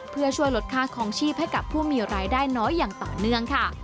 เพื่อช่วยลดค่าคลองชีพให้กับผู้มีรายได้น้อยอย่างต่อเนื่องค่ะ